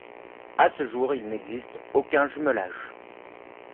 À ce jour, il n'existe aucun jumelage.